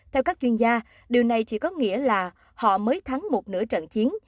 theo các chuyên gia điều này chỉ có nghĩa là họ mới thắng một nửa trận chiến